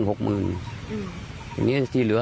จำนวนเท่าไหร่